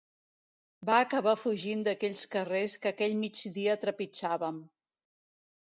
Va acabar fugint d’aquells carrers que aquell migdia trepitjàvem.